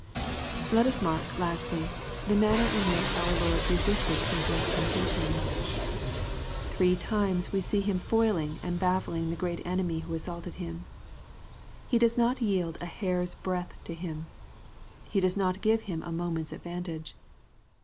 Let us mark lastly, the manner in which our Lord resisted Satan's temptations. Three times we see Him foiling and baffling the great enemy who assaulted Him. He does not yield a hair's breadth to him. He does not give him a moment's advantage.